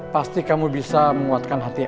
pasti kamu bisa menguatkan hati el